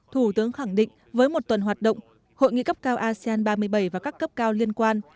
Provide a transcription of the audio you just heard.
thủ tướng khẳng định với một tuần hoạt động hội nghị cấp cao asean ba mươi bảy và các cấp cao liên quan